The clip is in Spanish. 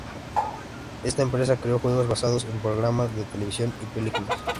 Esta empresa creo juegos basados en programas de televisión y películas.